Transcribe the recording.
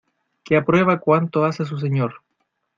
que aprueba cuanto hace su señor.